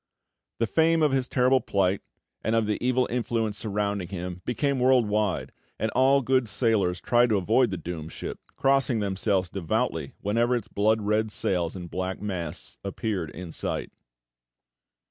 The fame of his terrible plight, and of the evil influence surrounding him, became world wide, and all good sailors tried to avoid the doomed ship, crossing themselves devoutly whenever its blood red sails and black masts appeared in sight.